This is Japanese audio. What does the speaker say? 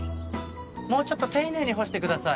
もうちょっと丁寧に干してください。